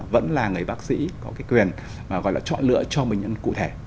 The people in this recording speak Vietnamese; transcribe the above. vẫn là người bác sĩ có cái quyền gọi là chọn lựa cho bệnh nhân cụ thể